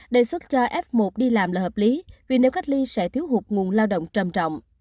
đề xuất cho f một đi làm là hợp lý vì nếu cách ly sẽ thiếu hụt nguồn lao động trầm trọng